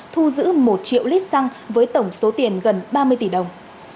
thu giữ một triệu lít xăng với tổng số tiền gần ba mươi tỷ đồng